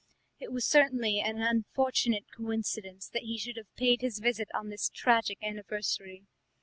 It was certainly an unfortunate coincidence that he should have paid his visit on this tragic anniversary.